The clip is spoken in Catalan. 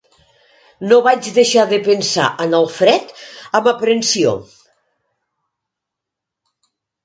No vaig deixar de pensar en el fred amb aprensió